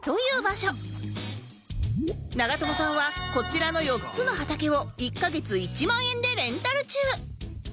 長友さんはこちらの４つの畑を１カ月１万円でレンタル中